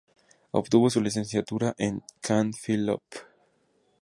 Obtuvo su licenciatura en "cand.philol".